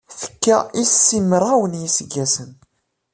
Tekka i simraw n yiseggasen.